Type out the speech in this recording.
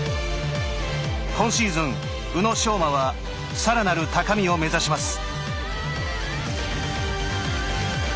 今シーズン、宇野昌磨はさらなる高みを目指します。